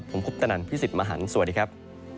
ผมคุปตนันพี่สิทธิ์มหันฯสวัสดีครับ